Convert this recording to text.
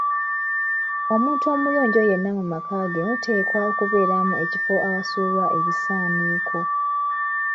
Omuntu omuyonjo yenna mu maka ge muteekwa okubeeramu ekifo awasuulwa ebisaaniiko.